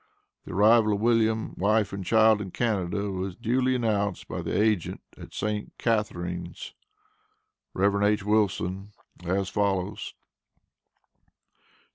The arrival of William, wife, and child in Canada was duly announced by the agent at St. Catharines, Rev. H. Wilson, as follows: ST.